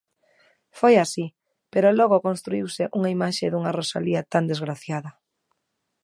Foi así, pero logo construíuse unha imaxe dunha Rosalía tan desgraciada.